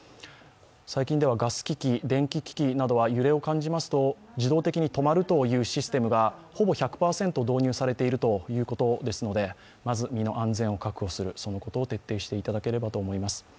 最近ではガス機器、電子機器などは揺れを感じますと自動的に止まるシステムがほぼ１００％導入されているということなので、まず身の安全の確保を徹底していただければと思います。